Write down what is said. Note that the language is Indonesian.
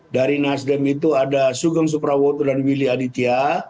dari nasdem itu ada sugeng suprawoto dan willy aditya